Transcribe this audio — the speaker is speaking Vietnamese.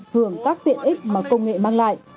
hưởng các tiện ích mà công nghệ mang lại